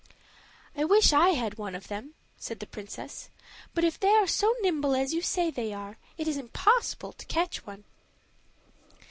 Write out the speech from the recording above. "I wish I had one of them," said the princess; "but if they are so nimble as you say they are, it is impossible to catch one."